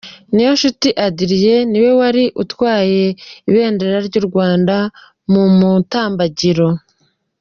Niyonshuti Adrien ni we wari utwaye ibendera ry'u Rwanda mu mutambagiro.